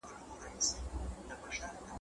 په شپږ کلنی کي ولیکی ,